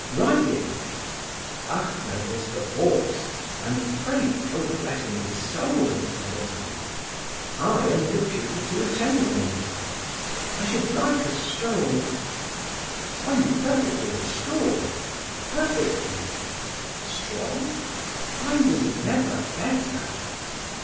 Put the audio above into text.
"Riding?" "Achmet is the horse, and pray don't let him be sold, Miss Middleton. I am deputed to attend on you." "I should like a stroll." "Are you perfectly restored?" "Perfectly." "Strong?" "I was never better."